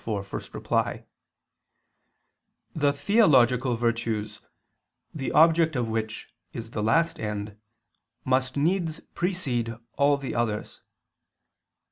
4, ad 1), the theological virtues, the object of which is the last end, must needs precede all the others.